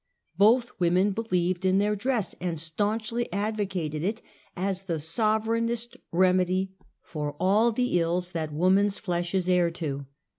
Both women believed in their dress, and staunchly advocated it as the sovereignest remedy for all the ills that woman's flesh is heir to.